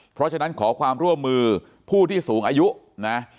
เพราะฉะนั้นขอความร่วมมือผู้ที่สูงอายุนะ